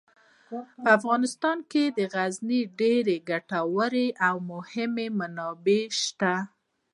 په افغانستان کې د غزني ډیرې ګټورې او مهمې منابع شته.